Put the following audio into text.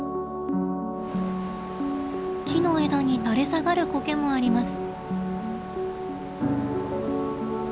木の枝に垂れ下がるコケもあります。